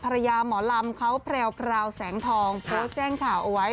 ภรรยาหมอลำเขาแปลวแสงทองเขาแจ้งข่าวเอาไว้